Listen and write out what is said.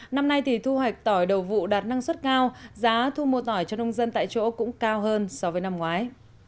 năm nay thì thu hoạch tỏi đầu vụ đạt năng suất cao giá thu mua tỏi cho nông dân tại chỗ cũng cao hơn so với năm ngoái